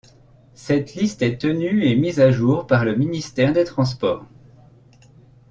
Cette liste est tenue et mise à jour par le ministère des Transports.